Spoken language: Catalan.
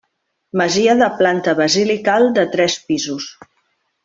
Masia de planta basilical de tres pisos.